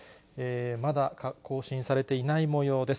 まだ更新されていないもようです。